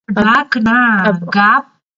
افغانستان له د هېواد مرکز ډک دی.